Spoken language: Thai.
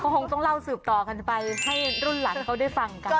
คงต้องเล่าสืบต่อกันไปให้รุ่นหลังเขาได้ฟังกัน